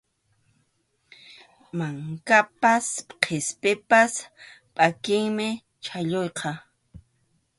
Mankapas qispipas pʼakiymi chhalluyqa.